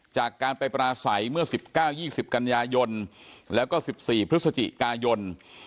จากการไปปราศัยเมื่อ๑๙๒๐กันยายนแล้วก็๑๔พฤศจิกายน